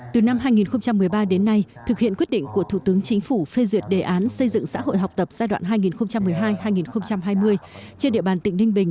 từ năm hai nghìn một mươi ba đến nay thực hiện quyết định của thủ tướng chính phủ phê duyệt đề án xây dựng xã hội học tập giai đoạn hai nghìn một mươi hai hai nghìn hai mươi trên địa bàn tỉnh ninh bình